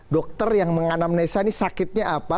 dokter yang menganam nesa ini sakitnya apa